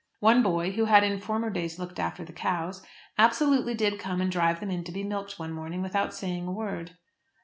One boy, who had in former days looked after the cows, absolutely did come and drive them in to be milked one morning without saying a word.